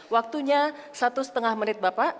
waktunya satu setengah menit bapak